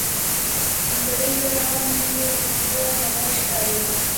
منځنی طب هم مینې ته لویه خبره ښکارېده